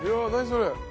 それ。